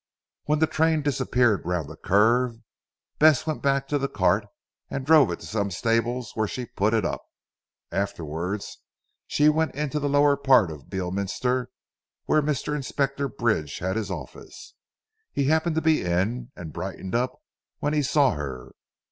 When the train disappeared round the curve Bess went back to the cart and drove it to some stables where she put it up. Afterwards she went into the lower part of Beorminster where Mr. Inspector Bridge had his office. He happened to be in and brightened up when he saw her.